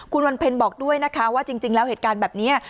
คุณวันเพ็ญบอกด้วยนะคะว่าจริงแล้วเหตุการณ์แบบนี้